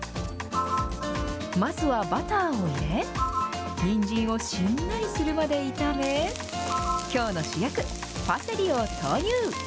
まずはバターを入れ、にんじんをしんなりするまで炒め、きょうの主役、パセリを投入。